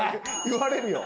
言われるよ。